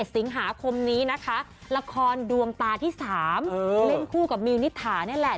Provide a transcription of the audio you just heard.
สิงหาคมนี้นะคะละครดวงตาที่๓เล่นคู่กับมิวนิษฐานี่แหละ